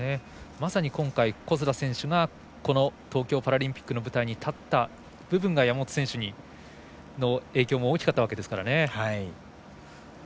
まさに今回、小須田選手がこの東京パラリンピックの舞台に立ったことが山本選手の影響も大きかったわけですからね。